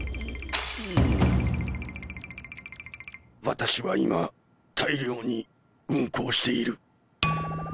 私は今大量にうんこをしている。